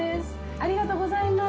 ありがとうございます。